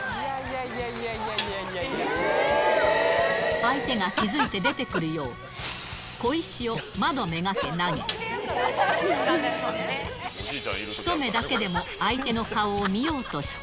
相手が気付いて出てくるよう、小石を窓目がけ投げ、一目だけでも相手の顔を見ようとした。